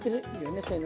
そういうのね。